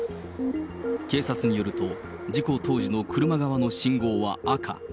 警察によると、事故当時の車側の信号は赤。